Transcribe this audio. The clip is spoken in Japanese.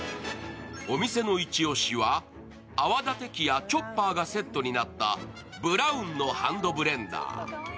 お店のイチ押しは、泡立て器やチョッパーがセットになったブラウンのハンドブレンダー。